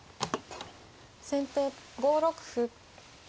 先手５六歩。